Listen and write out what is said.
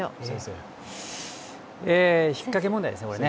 引っ掛け問題ですね。